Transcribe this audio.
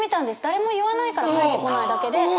誰も言わないから返ってこないだけで。